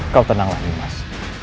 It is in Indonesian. kau tenanglah nimas